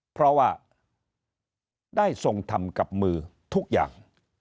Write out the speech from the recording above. เพราะว่าได้ทรงทำกับมือทุกอย่าง